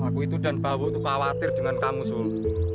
aku dan bawo khawatir dengan kamu sol